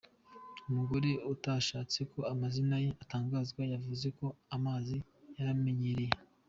Umugore utashatse ko amazina ye atangazwa yavuze ko amazi bayamenyereye.